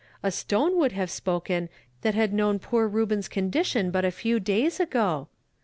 A stone would have spoken, that had known l)oor Reuben's condition but a few days ago.